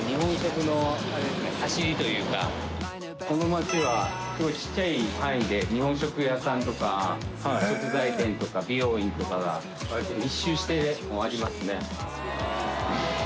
この街はちっちゃい範囲で日本食屋さんとか食材店とか美容院とかがわりと密集してありますね。